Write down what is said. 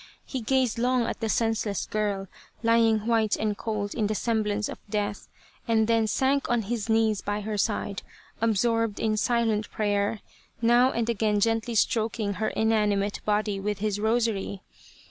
He gazed long at the senseless girl, lying white and cold in the semblance of death, and then sank on his knees by her side, absorbed in silent prayer, now and again gently stroking her inanimate body with his rosary.